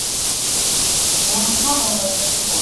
Hao waliokua.